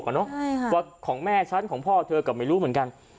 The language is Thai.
ว่าของแม่ฉันของพ่อเธอก็ไม่รู้เหมือนกัน